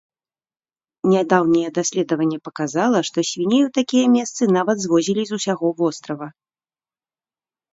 Нядаўняе даследаванне паказала, што свіней у такія месцы нават звозілі з усяго вострава.